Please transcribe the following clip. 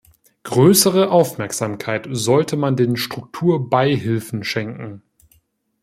Größere Aufmerksamkeit sollte man den Strukturbeihilfen schenken.